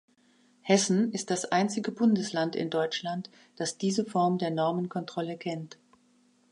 Hessen ist das einzige Bundesland in Deutschland, das diese Form der Normenkontrolle kennt.